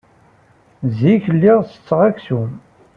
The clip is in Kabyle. Zik, lliɣ setteɣ aksum.